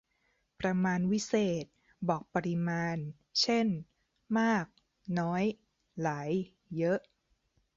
ประมาณวิเศษณ์ บอกปริมาณ เช่น มาก น้อย หลาย เยอะ